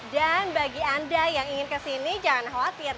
dan bagi anda yang ingin ke sini jangan khawatir